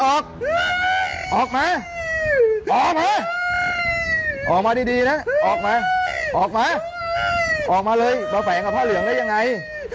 ออกมาออกมาออกมาดีนะออกมาออกมาเลยมาแฝงกับผ้าเหลืองได้ยังไง